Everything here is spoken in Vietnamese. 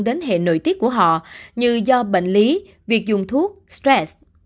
đến hệ nội tiết của họ như do bệnh lý việc dùng thuốc stress